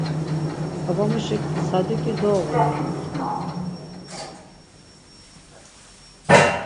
Babamuşik 'Sadiǩi doğuru' ya utzu.